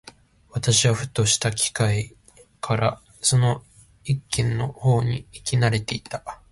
私はふとした機会（はずみ）からその一軒の方に行き慣（な）れていた。